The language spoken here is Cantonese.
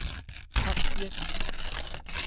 七億